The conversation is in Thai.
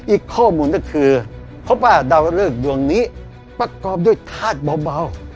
อีกข้อมูลก็คือพบว่าดาวเลิกดวงนี้ประกอบด้วยธาตุเบา